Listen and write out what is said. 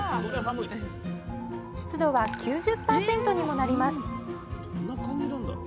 湿度は９０％にもなります